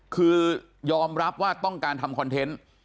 คือยอมรับว่าต้องการทำคอนเทนต์